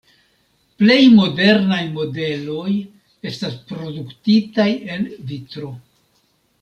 Plej modernaj modeloj estas produktitaj el vitro.